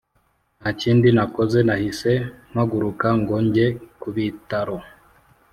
ntakindi nakoze nahise mpaguruka ngo njye kubitaro